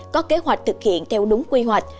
có kế hoạch thực hiện theo đúng quy hoạch